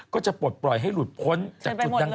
ก็จะปลดปล่อยให้หลุดพ้นจากจุดดัง